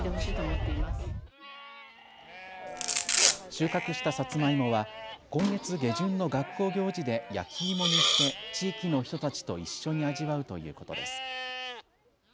収穫したさつまいもは今月下旬の学校行事で焼き芋にして地域の人たちと一緒に味わうということです。